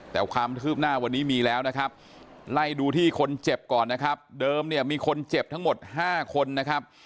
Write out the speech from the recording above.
แต่ความคืบหน้าวันนี้มีแล้วนะครับไล่ดูที่คนเจ็บก่อนนะครับเดิมเนี่ยมีคนเจ็บทั้งหมด๕คนนะครับ